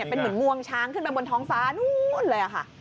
เป็นเหมือนงวงช้างขึ้นไปบนท้องฟ้านู้นเลยค่ะ